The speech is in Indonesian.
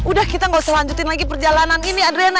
udah kita gak usah lanjutin lagi perjalanan ini adrena